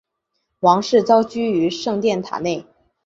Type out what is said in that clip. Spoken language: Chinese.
王室遭拘于圣殿塔内。